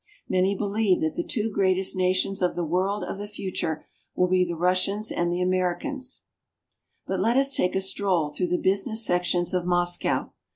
Many believe that the two greatest nations of the world of the future will be the Russians and the Americans. But let us take a stroll through the business sections of Moscow.